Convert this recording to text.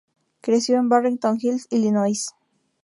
Creció en Barrington Hills, Illinois.